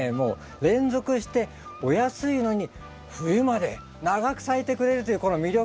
連続してお安いのに冬まで長く咲いてくれるというこの魅力。